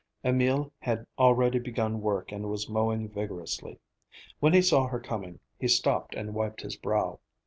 Emil had already begun work and was mowing vigorously. When he saw her coming, he stopped and wiped his brow.